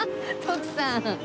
徳さん